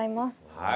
はい。